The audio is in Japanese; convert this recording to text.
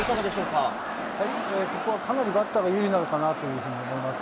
ここはかなりバッターが有利なのかなというふうに思います。